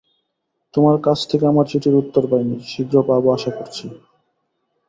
তোমার কাছ থেকে আমার চিঠির উত্তর পাইনি, শীঘ্র পাব আশা করছি।